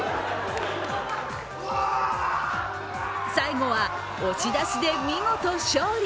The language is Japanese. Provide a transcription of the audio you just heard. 最後は押し出しで、見事勝利。